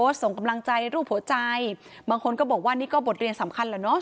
ส่งกำลังใจรูปหัวใจบางคนก็บอกว่านี่ก็บทเรียนสำคัญแหละเนอะ